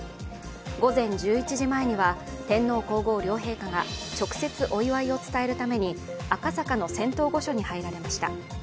午前１１時前には天皇皇后両陛下が直接お祝いを伝えるために赤坂の仙洞御所に入られました。